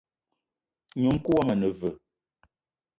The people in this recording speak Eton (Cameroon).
Ngnom-kou woma ane veu?